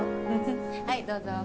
はいどうぞ。